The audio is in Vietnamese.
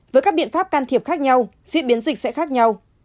với các biện pháp can thiệp khác nhau diễn biến dịch sẽ khác nhau